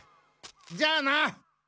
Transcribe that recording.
じゃあな！